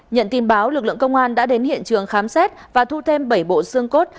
nhận tin báo lực lượng công an đã đến hiện trường khám xét và thu thêm bảy bộ xương cốt